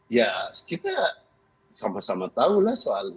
ya kita sama sama tahulah soal itu